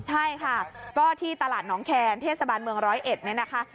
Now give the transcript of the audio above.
ใช่ค่ะก็ที่ตลาดน้องแคร์เทศบาลเมือง๑๐๑นี่นะคะ